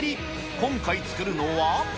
今回作るのは。